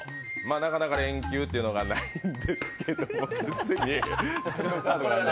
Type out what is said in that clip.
なかなか連休ってのがないんですけど。